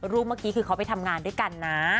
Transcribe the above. เมื่อกี้คือเขาไปทำงานด้วยกันนะ